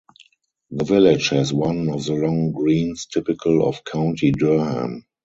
The village has one of the long greens typical of County Durham.